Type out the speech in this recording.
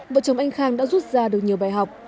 vợ chồng anh khang đã rút ra được nhiều bài học